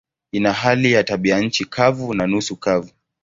Ina hali ya tabianchi kavu na nusu kavu.